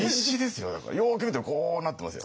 よく見たらこうなってますよ。